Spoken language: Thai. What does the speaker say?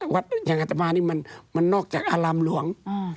อย่างอัตมานี่มันนอกจากอารามหลวง